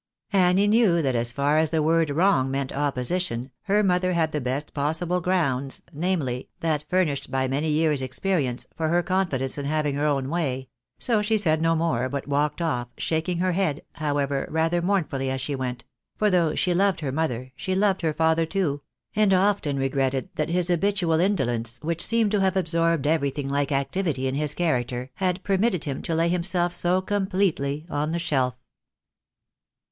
Annie knew that as far as the word wrong meant opposition, her mother had the best possible grounds, namely, that furnished by many years' experience, for her confidence in having her own way ; so she said no more, but walked off, shaking her head, how ever, rather mournfully as she went ; for though she loved her mother, she loved her father too, and often regretted that his habitual indolence, which seemed to have absorbed everything hke activity in his character, had permitted him to lay himself so com pletely on the shelf.